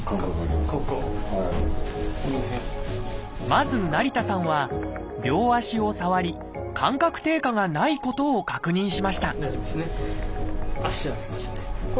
まず成田さんは両足を触り感覚低下がないことを確認しました